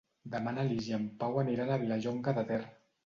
Demà na Lis i en Pau aniran a Vilallonga de Ter.